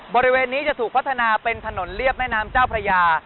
บริเวณนี้จะถูกพัฒนาเป็นถนนเรียบแม่น้ำเจ้าพระยา